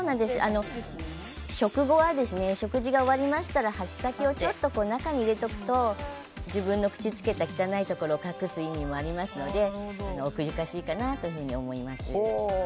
食後は食事が終わりましたら箸先をちょっと中に入れておくと自分の口をつけた汚いところを隠す意味もありますので奥ゆかしいかなと思います。